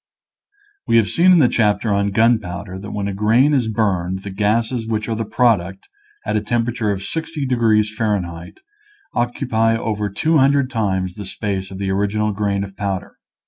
We have seen in the chapter on gunpowder that when a grain is burned the gases which are the product, at a temperature of 60 degrees F., occupy over 200 times the space of the original grain of powder.